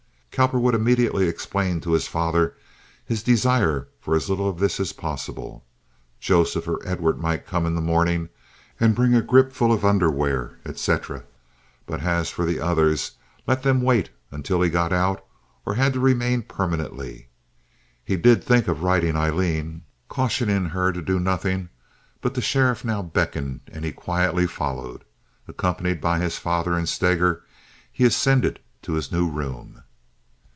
Cowperwood immediately explained to his father his desire for as little of this as possible. Joseph or Edward might come in the morning and bring a grip full of underwear, etc.; but as for the others, let them wait until he got out or had to remain permanently. He did think of writing Aileen, cautioning her to do nothing; but the sheriff now beckoned, and he quietly followed. Accompanied by his father and Steger, he ascended to his new room.